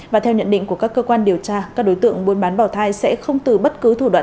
và theo nhận định của các cơ quan điều tra các đối tượng buôn bán bảo thai sẽ không từ bất cứ thủ đoạn